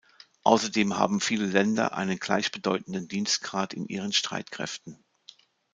Außerdem haben viele Länder einen gleichbedeutenden Dienstgrad in ihren Streitkräften.